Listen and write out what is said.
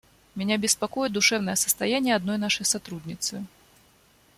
Меня беспокоит душевное состояние одной нашей сотрудницы.